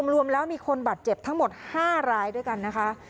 รวมแล้วมีคนบาดเจ็บทั้งหมด๕รายด้วยกันนะคะ